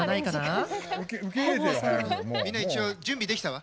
みんな一応準備できたわ。